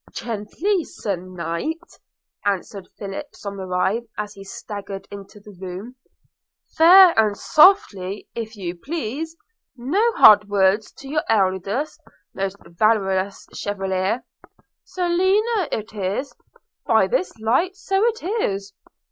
'Gently, Sir Knight!' answered Philip Somerive as he staggered into the room – 'fair and softly, if you please! no hard words to your elders, most valorous chevalier! – Selina is it? – By this light so it is!